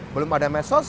belum ada mesos